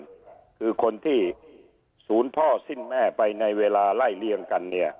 คือคนที่ศูนย์พ่อสิ้นแม่ไปในเวลาไล่เลี่ยงกันเนี่ย